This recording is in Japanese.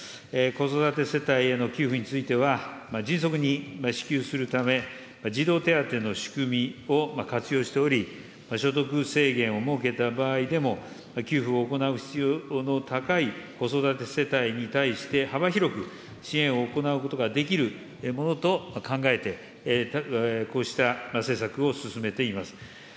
子育て世帯への給付については、迅速に支給するため、児童手当の仕組みを活用しており、所得制限を設けた場合でも、給付を行う必要の高い子育て世帯に対して、幅広く、支援を行うことができるものと考えて、こうした施策を進めています。